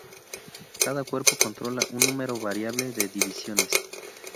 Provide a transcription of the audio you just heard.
Cada cuerpo controla un número variable de divisiones.